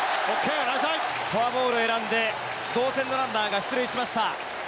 フォアボールを選んで同点のランナーが出塁しました。